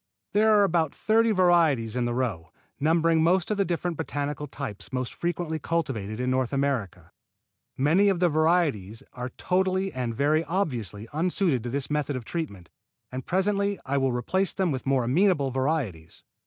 There are about thirty varieties in the row, numbering most of the different botanical types more frequently cultivated in North America. Many of the varieties are totally and very obviously unsuited to this method of treatment, and presently I will replace them with more amenable varieties.